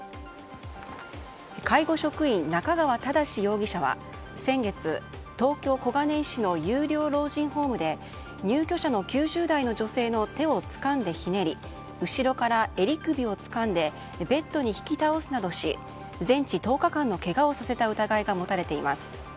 介護職員、中川忠容疑者は先月東京・小金井市の有料老人ホームで入居者の９０代の女性の手をつかんでひねり後ろから襟首をつかんでベッドに引き倒すなどし全治１０日間のけがをさせた疑いが持たれています。